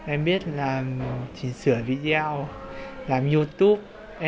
em biết là chỉ sửa video làm youtube